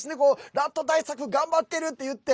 ラット対策頑張ってるっていって。